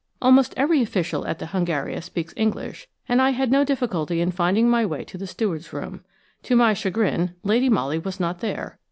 Almost every official at the Hungaria speaks English, and I had no difficulty in finding my way to the steward's room. To my chagrin Lady Molly was not there.